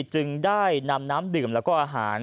จึงได้นำน้ำดื่มแล้วก็อาหาร